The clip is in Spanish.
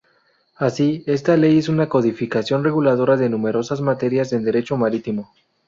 Así, esta ley es una codificación reguladora de numerosas materias en derecho marítimo.